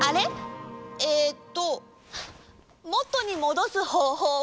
えっともとにもどすほうほうは？